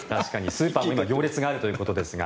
スーパーも今行列があるということですが。